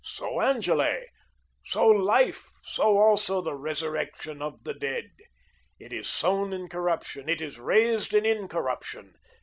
So Angele, so life, so also the resurrection of the dead. It is sown in corruption. It is raised in incorruption.